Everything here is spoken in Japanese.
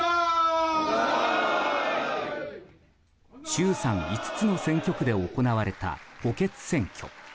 衆参５つの選挙区で行われた補欠選挙。